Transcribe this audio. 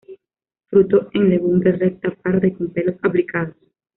Fruto en legumbre recta, parda y con pelos aplicados.